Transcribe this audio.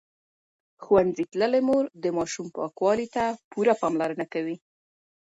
ښوونځې تللې مور د ماشوم پاکوالي ته پوره پاملرنه کوي.